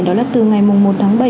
đó là từ ngày một tháng bảy